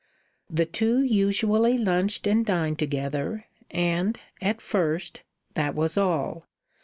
The two usually lunched and dined together, and at first that was all.